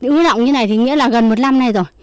ưa lọng như này thì nghĩa là gần một năm nay rồi